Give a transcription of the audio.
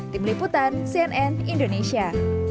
tim liputan cnn indonesia